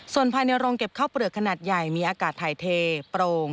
ส่วนภายในโรงเก็บข้าวเปลือกขนาดใหญ่มีอากาศถ่ายเทโปร่ง